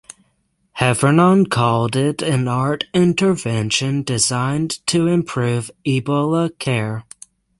Heffernan called it "an art intervention designed to improve Ebola care".